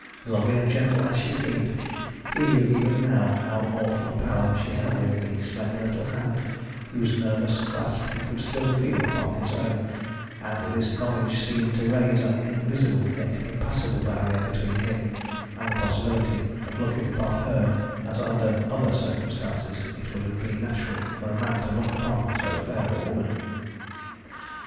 Lovely and gentle as she seemed, he knew even now how awful a power she held in the slender little hand whose nervous clasp he could still feel upon his own, and this knowledge seemed to raise an invisible yet impassable barrier between him and the possibility of looking upon her as under other circumstances it would have been natural for a man to look upon so fair a woman.